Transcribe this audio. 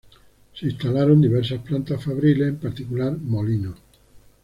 Se instalaron diversas plantas fabriles, en particular molinos.